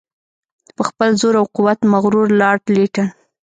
په خپل زور او قوت مغرور لارډ لیټن.